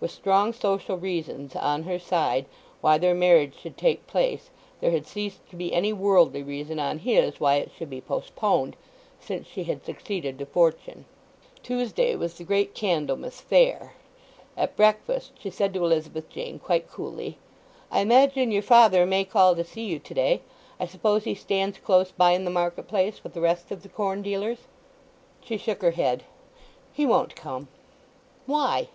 With strong social reasons on her side why their marriage should take place there had ceased to be any worldly reason on his why it should be postponed, since she had succeeded to fortune. Tuesday was the great Candlemas fair. At breakfast she said to Elizabeth Jane quite coolly: "I imagine your father may call to see you to day. I suppose he stands close by in the market place with the rest of the corn dealers?" She shook her head. "He won't come." "Why?"